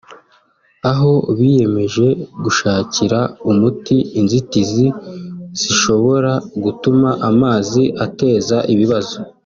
aho biyemeje gushakira umuti inzitizi zishobora gutuma amazi ateza ibibazo